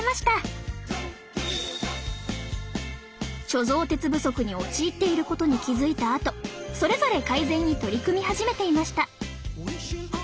貯蔵鉄不足に陥っていることに気付いたあとそれぞれ改善に取り組み始めていました。